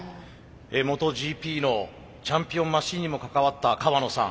ＭｏｔｏＧＰのチャンピオンマシンにも関わった河野さん。